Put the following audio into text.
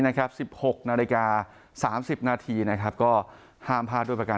นะครับสิบหกนาฬิกาสามสิบนาทีนะครับก็ห้ามพาด้วยประกาศ